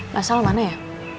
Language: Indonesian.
masalah mana ya